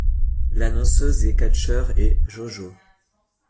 L'annonceuse des catcheurs est JoJo.